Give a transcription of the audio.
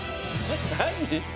何？